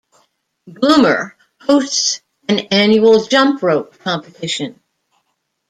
Bloomer hosts an annual jump rope competition.